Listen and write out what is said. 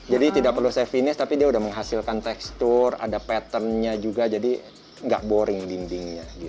jadi tidak perlu saya finish tapi dia sudah menghasilkan tekstur ada patternnya juga jadi tidak boring dindingnya